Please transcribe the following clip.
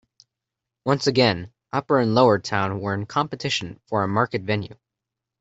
Once again Upper and Lower Town were in competition for a market venue.